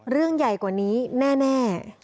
เรื่องใหญ่กว่านี้แน่